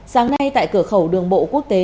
sáng nay tại cửa khẩu đường bộ quốc tế